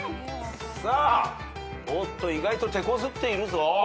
おっと意外とてこずっているぞ。